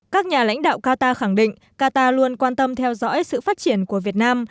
các nhà lãnh đạo qatar khẳng định qatar luôn quan tâm theo dõi sự phát triển của việt nam